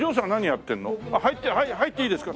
あっ入っていいですか？